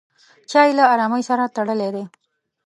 چای له ارامۍ سره تړلی دی.